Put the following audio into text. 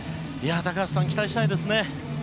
高橋さん、期待したいですね。